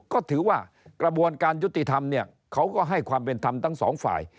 ก็ถือว่ากระบวนการยุติธรรมเนี่ยเขาก็ให้ความเป็นธรรมทั้งสองฝ่าย